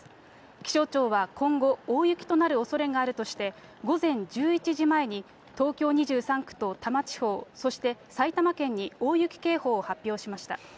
気象庁は今後、大雪となるおそれがあるとして、午前１１時前に、東京２３区と多摩地方、そして埼玉県に大雪警報を発表しました。